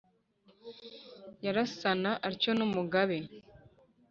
yarasana atyo n'umugabe